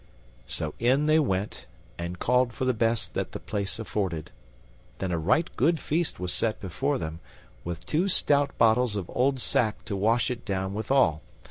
So in they went and called for the best that the place afforded. Then a right good feast was set before them, with two stout bottles of old sack to wash it down withal.